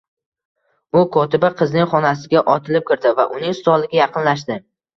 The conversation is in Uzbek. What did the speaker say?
U kotiba qizning xonasiga otilib kirdi va uning stoliga yaqinlashdi